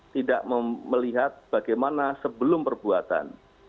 tidak melihat bagaimana sebelum perbuatan